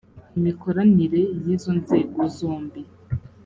imikoranire y’izo nzego zombi